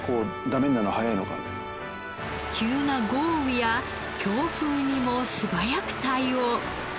急な豪雨や強風にも素早く対応。